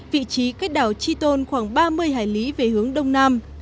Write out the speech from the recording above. vị trí cách đảo chi tôn khoảng ba mươi hải lý về hướng đông nam